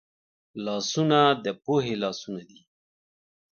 لاسونه د پوهې لاسونه دي